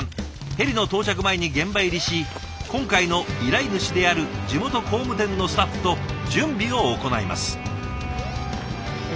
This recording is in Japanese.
ヘリの到着前に現場入りし今回の依頼主である地元工務店のスタッフと準備を行います。